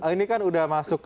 ini kan udah masuk